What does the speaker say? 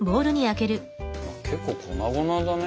結構粉々だね。